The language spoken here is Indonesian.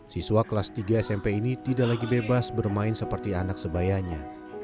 siswa kelas tiga smp ini tidak lagi bebas bermain seperti anak sebayanya